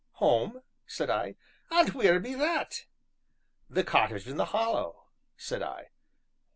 "Home!" said I. "And wheer be that?" "The cottage in the Hollow," said I.